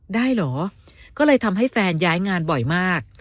ได้เหรอก็เลยทำให้แฟนย้ายงานบ่อยมาก